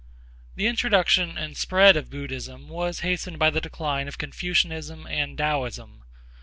The introduction and spread of Buddhism were hastened by the decline of Confucianism and Taoism.